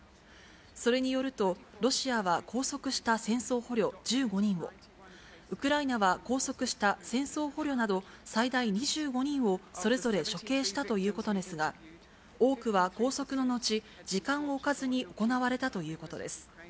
それによると、ロシアは拘束した戦争捕虜１５人を、ウクライナは拘束した戦争捕虜など、最大２５人をそれぞれ処刑したということですが、多くは拘束の後、時間を置かずに行われたということです。